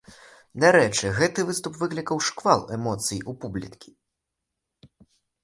Дарэчы, гэты выступ выклікаў шквал эмоцый у публікі.